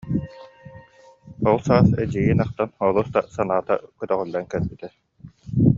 Ол саас эдьиийин аахтан олус да санаата көтөҕүллэн кэлбитэ